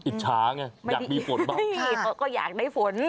อิจฉาไงอยากมีฝนบ้างพี่เขาก็อยากได้ฝน